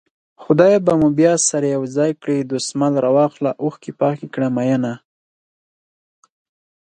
خدای به مو بيا سره يو ځای کړي دسمال راواخله اوښکې پاکې کړه مينه